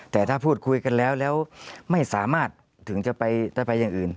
แต่ถ้าพูดคุยกันแล้วแล้วไม่สามารถถึงจะไปอย่างอื่น